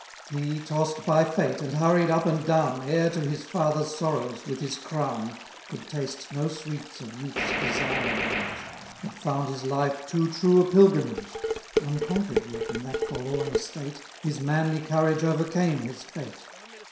50 He, tost by fate, and hurried up and down, Heir to his father's sorrows, with his crown, Could taste no sweets of youth's desired age, But found his life too true a pilgrimage. Unconquer'd yet in that forlorn estate, His manly courage overcame his fate.